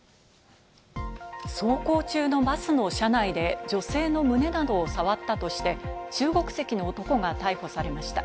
走行中のバスの車内で女性の胸などを触ったとして中国籍の男が逮捕されました。